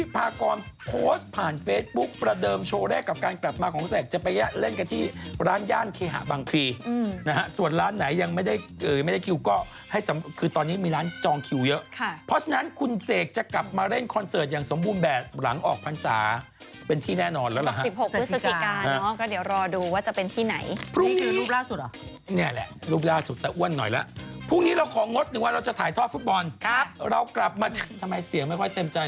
พากรโพสต์ผ่านเฟซบุ๊กประเดิมโชว์แรกกับการกลับมาของเศกจะไปเล่นกันที่ร้านย่านเคหาบังคลีนะฮะส่วนร้านไหนยังไม่ได้เอ่อไม่ได้คิวก็ให้คือตอนนี้มีร้านจองคิวย้อค่ะเพราะฉะนั้นคุณเศกจะกลับมาเล่นคอนเซิร์ตอย่างสมบูรณ์แบบหลังออกพรรษาเป็นที่แน่นอนแล้วนะฮะ๑๖พฤศจิกาอ๋อก